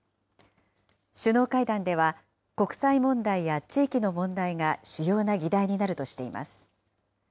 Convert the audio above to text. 首脳会談では国際問題や地域の問題が主要な議題になるとしています。